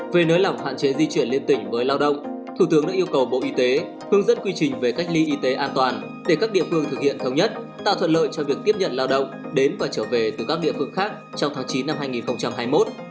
về nới lỏng hạn chế di chuyển liên tỉnh với lao động thủ tướng đã yêu cầu bộ y tế hướng dẫn quy trình về cách ly y tế an toàn để các địa phương thực hiện thống nhất tạo thuận lợi cho việc tiếp nhận lao động đến và trở về từ các địa phương khác trong tháng chín năm hai nghìn hai mươi một